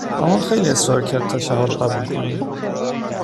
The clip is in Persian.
مامان خیلی اصرار کرد تا شهال قبول کنه